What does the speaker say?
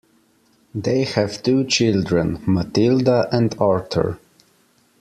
They have two children, Matilda and Arthur.